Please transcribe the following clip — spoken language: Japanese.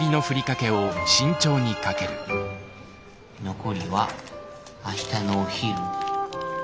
残りは明日のお昼に。